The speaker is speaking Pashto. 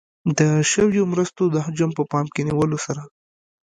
د شویو مرستو د حجم په پام کې نیولو سره.